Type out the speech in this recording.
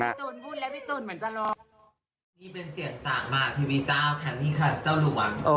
ก็คือเจ้าหลวงเจ้าหลวงอ่ะมีจริงไม่ใช่เจ้าหลวงทิพย์แน่นอน